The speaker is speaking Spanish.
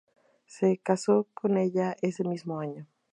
Se casó con ella ese mismo año.